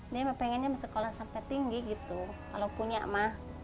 dia pengennya sekolah sampai tinggi gitu kalau punya mah